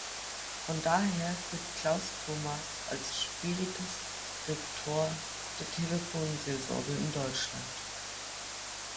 Von daher gilt Klaus Thomas als Spiritus Rector der Telefonseelsorge in Deutschland.